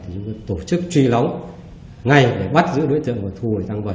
chúng tôi tổ chức truy lóng ngay để bắt giữ đối tượng và thu lời tăng vật